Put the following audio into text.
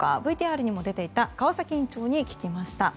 ＶＴＲにも出ていた川崎院長に聞きました。